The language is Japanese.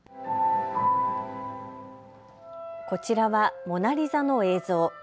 こちらはモナ・リザの映像。